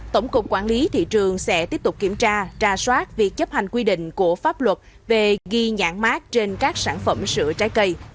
tổng cục quản lý thị trường sẽ tiếp tục kiểm tra tra soát việc chấp hành quy định của pháp luật về ghi nhãn mát trên các sản phẩm sữa trái cây